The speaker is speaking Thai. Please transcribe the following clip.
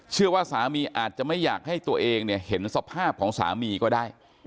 เชื่อว่าสามีอาจจะไม่อยากให้ตัวเองเห็นสภาพของสามีก็ได้